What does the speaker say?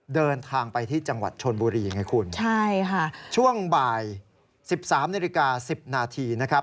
เดินทางไปที่จังหวัดชนบุรีไงคุณใช่ค่ะช่วงบ่าย๑๓นาฬิกา๑๐นาทีนะครับ